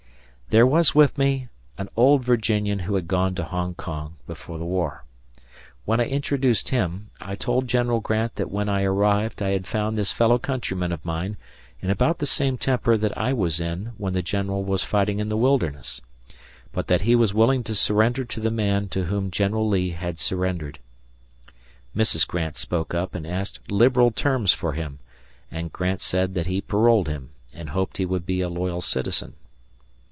There was with me an old Virginian who had gone to Hong Kong before the war. When I introduced him, I told General Grant that when I arrived I had found this fellow countryman of mine in about the same temper that I was in when the general was fighting in the Wilderness; but that he was willing to surrender to the man to whom General Lee had surrendered. Mrs. Grant spoke up and asked liberal terms for him, and Grant said that he paroled him, and hoped he would be a loyal citizen.